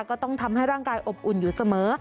ก็ต้องทำให้ร่างกายอบอุ่นอยู่เสมอ